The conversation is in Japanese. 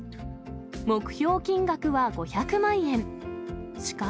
目標金額は５００万円。